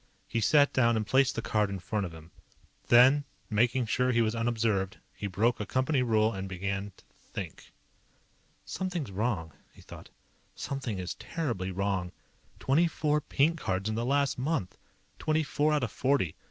He sat down and placed the card in front of him. Then, making sure he was unobserved, he broke a company rule and began to Think. Something's wrong, he thought. _Something is terribly wrong. Twenty four pink cards in the last month. Twenty four out of forty.